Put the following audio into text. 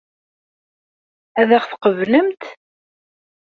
Ad ɣ-tqeblemt?